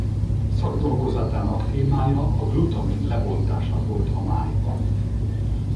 Szakdolgozatának témája a glutamin lebontása volt a májban.